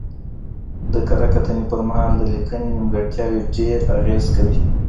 د کره کتنې پر مهال د لیکنې نیمګړتیاوې ډېر اغېز کوي.